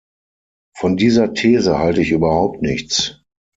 Von dieser These halte ich überhaupt nichts.